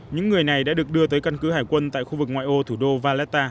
những người này đã được đưa tới căn cứ hải quân tại khu vực ngoại ô thủ đô valetta